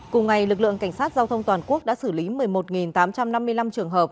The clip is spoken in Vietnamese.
cùng ngày lực lượng cảnh sát giao thông toàn quốc đã xử lý một mươi một tám trăm năm mươi năm trường hợp